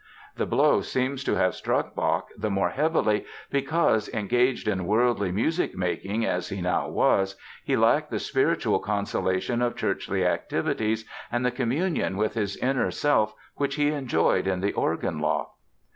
The blow seems to have struck Bach the more heavily because, engaged in worldly music making as he now was, he lacked the spiritual consolation of churchly activities and the communion with his inner self which he enjoyed in the organ loft.